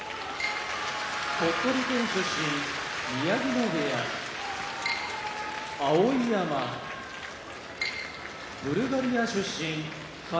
鳥取県出身宮城野部屋碧山ブルガリア出身春日野部屋